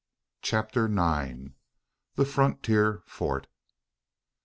CHAPTER NINE. THE FRONTIER FORT.